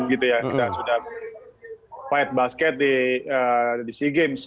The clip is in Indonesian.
kita sudah fight basket di sea games